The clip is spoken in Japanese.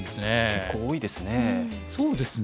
結構多いですね。